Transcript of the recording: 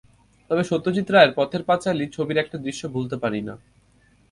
তবে সত্যজিৎ রায়ের পথের পাঁচালী ছবির একটা দৃশ্য ভুলতে পারি না।